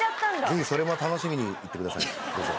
是非それも楽しみに行ってくださいどうぞ！